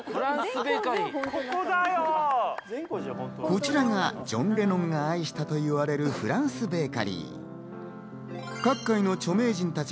こちらがジョン・レノンが愛したといわれるフランスベーカリー。